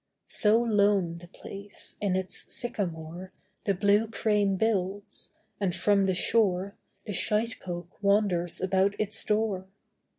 So lone the place, in its sycamore The blue crane builds; and from the shore The shitepoke wanders about its door.